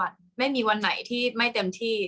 กากตัวทำอะไรบ้างอยู่ตรงนี้คนเดียว